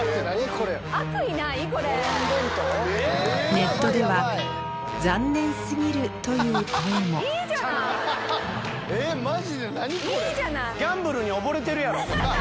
ネットでは残念すぎるという声もマジで何これ⁉ギャンブルに溺れてるやろ。